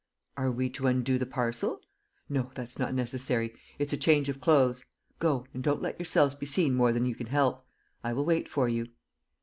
"Are we to undo the parcel?" "No, that's not necessary. It's a change of clothes. Go; and don't let yourselves be seen more than you can help. I will wait for you."